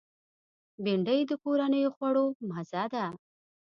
بېنډۍ د کورنیو خوړو مزه ده